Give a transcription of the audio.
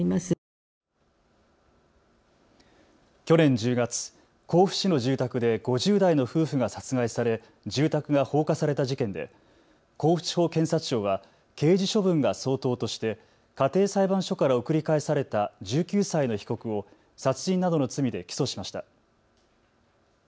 去年１０月、甲府市の住宅で５０代の夫婦が殺害され住宅が放火された事件で甲府地方検察庁は刑事処分が相当として家庭裁判所から送り返された１９歳の被告を殺人などの罪で起訴しました。